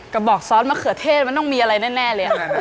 กระบอกซอสมะเขือเทศมันต้องมีอะไรแน่เลย